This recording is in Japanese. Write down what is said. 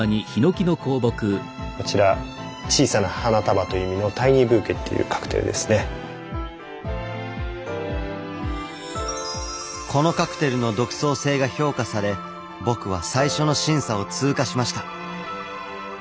こちらこのカクテルの独創性が評価され僕は最初の審査を通過しました。